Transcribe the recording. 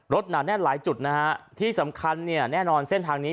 หนาแน่นหลายจุดนะฮะที่สำคัญเนี่ยแน่นอนเส้นทางนี้